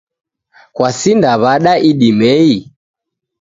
Kwasinda w'ada idimei?